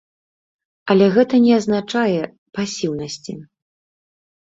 Але гэта не азначае пасіўнасці.